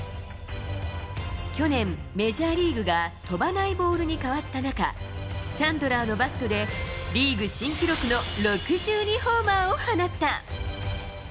去年、メジャーリーグが飛ばないボールに変わった中、チャンドラーのバットで、リーグ新記録の６２ホーマーを放った。